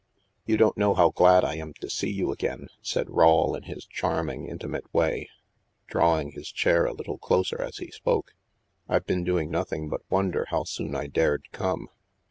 " You don't know how glad I am to see you again," said Rawle in his charming, intimate way, drawing his chair a little closer as he spoke. " I've been doing nothing but wonder how soon I dared come.